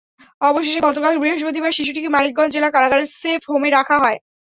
অবশেষে গতকাল বৃহস্পতিবার শিশুটিকে মানিকগঞ্জ জেলা কারাগারের সেফ হোমে রাখা হয়।